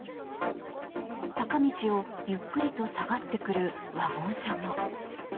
坂道をゆっくりと下がってくるワゴン車が。